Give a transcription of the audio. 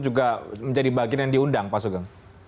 apakah kelompok tersebut juga menjadi bagian yang diundang pak sugong